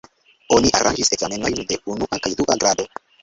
Oni aranĝis ekzamenojn de unua kaj dua grado.